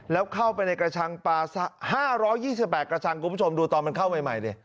แล้วเข้าไปในกระชังปลา๕๒๘กระชังคุณผู้ชมดูตอนมันเข้าใหม่ดิ